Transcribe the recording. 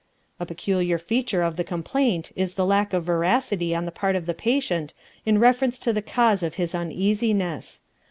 A peculiar feature of the complaint is the lack of veracity on the part of the patient in reference to the cause of his uneasiness.